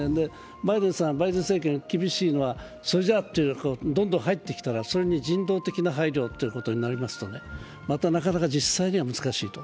バイデンさん、バイデン政権厳しいのはどんどん入ってきたらそれに人道的な配慮ということになりますとまた、なかなか実際には難しいと。